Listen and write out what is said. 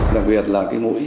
đặc biệt là cái mũi